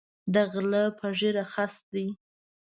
د غلۀ پۀ ږیره خس دی